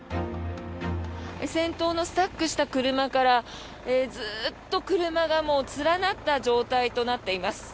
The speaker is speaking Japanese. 先頭のスタックした車からずっと車が連なった状態となっています。